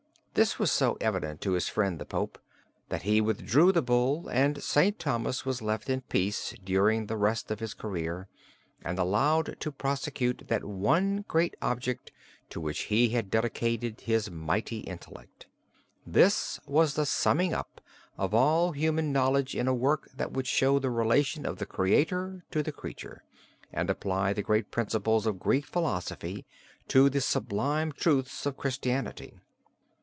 This was so evident to his friend the Pope that he withdrew the Bull and St. Thomas was left in peace during the rest of his career, and allowed to prosecute that one great object to which he had dedicated his mighty intellect. This was the summing up of all human knowledge in a work that would show the relation of the Creator to the creature, and apply the great principles of Greek philosophy to the sublime truths of Christianity.